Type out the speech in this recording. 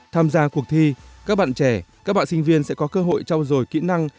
tham gia cuộc thi các bạn trẻ các bạn sinh viên sẽ có cơ hội trao dồi kỹ năng